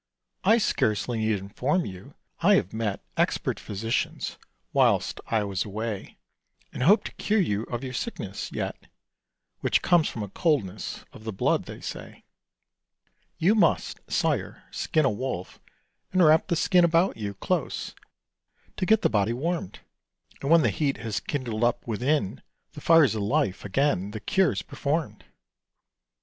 I scarcely need inform you I have met Expert physicians whilst I was away, And hope to cure you of your sickness yet, Which comes from coldness of the blood, they say You must, sire, skin a Wolf, and wrap the skin About you close, to get the body warmed; And when the heat has kindled up within The fires of life again, the cure's performed.